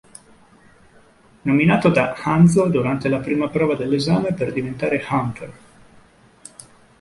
Nominato da Hanzo durante la prima prova dell`esame per diventare hunter.